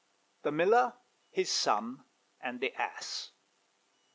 THE MILLER, HIS SON, AND THE ASS.